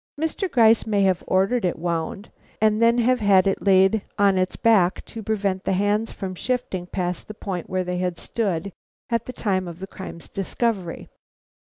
Mr. Gryce may have ordered it wound, and then have had it laid on its back to prevent the hands from shifting past the point where they had stood at the time of the crime's discovery.